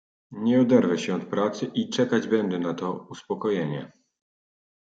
"Nie oderwę się od pracy i czekać będę na to uspokojenie."